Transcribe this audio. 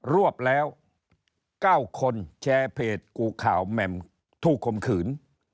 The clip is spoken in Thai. รวบแล้ว๙คนแชร์เพจกูข่าวแหม่มถูกคมขืน